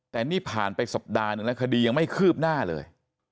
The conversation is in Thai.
แต่นี่ผ่านไปสัปดาห์หนึ่งแล้วคดียังไม่คืบหน้าเลย